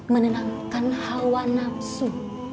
menenangkan halwa nafsu